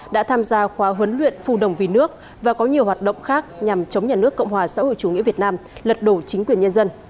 đã tham gia khóa huấn luyện phù đồng vì nước và có nhiều hoạt động khác nhằm chống nhà nước cộng hòa xã hội chủ nghĩa việt nam lật đổ chính quyền nhân dân